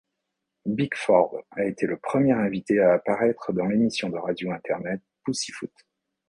Bickford a été le premier invité à apparaître dans l'émission de radio Internet Pussyfoot.